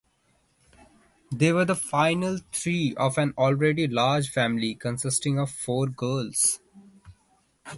They were the final three of an already large family consisting of four girls.